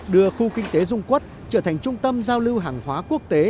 đưa khu kinh tế dung quốc trở thành trung tâm giao lưu hàng hóa quốc tế